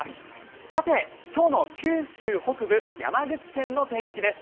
さて今日の九州北部、山口県の天気です。